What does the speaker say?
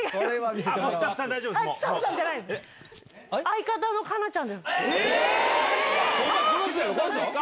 スタッフさん、大丈夫です。